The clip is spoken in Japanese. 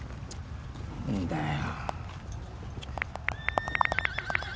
何だよ。